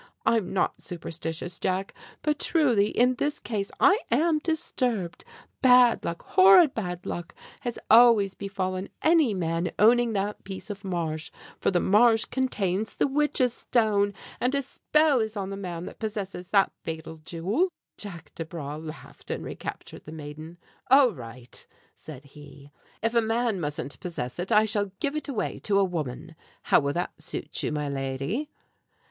I'm not superstitious, Jack, but truly in this case I am disturbed. Bad luck, horrid bad luck, has always befallen any man owning that piece of Marsh, for the Marsh contains the Witch's Stone, and a spell is on the man that possesses that fatal jewel." Jack Desbra laughed and recaptured the maiden. "All right," said he, "if a man mustn't possess it, I shall give it away to a woman! How will that suit you, my lady?"